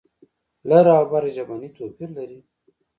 لر او بر ژبنی توپیر لري.